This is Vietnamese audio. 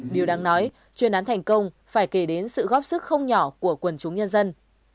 điều đáng nói chuyên án thành công phải kể đến sự góp sức không nhỏ của quần chúng nhân dân